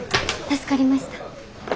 助かりました。